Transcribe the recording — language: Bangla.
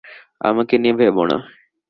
আমাকে নিয়ে ভেবো না।